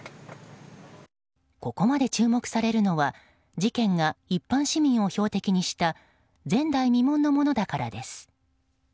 ここまで注目されるのは事件が一般市民を標的にした前代未聞のものだからです。